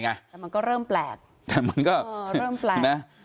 มันก็เริ่มแปลก